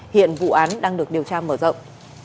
hiện vụ án đang được điều tra mở rộng